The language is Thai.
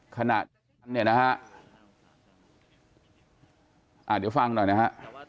ขนาดนี้นะฮะเดี๋ยวฟังหน่อยนะฮะ